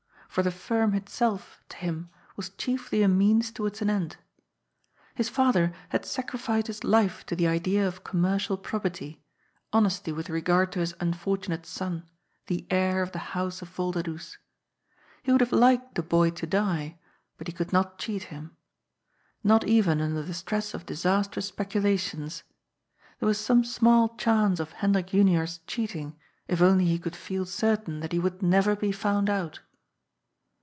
For the firm itself, to him, was chiefly a means towards an end. His father had sacrificed his life to the idea of commercial probity, honesty with regard to his un fortunate son, the heir of the house of Volderdoes. He would have liked the boy to die, but he could not cheat him. Not even under the stress of disastrous speculations. There was some small chance of Hendrik Junior's cheat ing, if only he could feel certain that he would never be found out.